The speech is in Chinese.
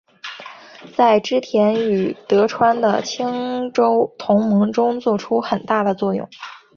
在织田与德川的清洲同盟中作出很大的作用。